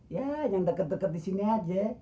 ya yang deket deket disini aja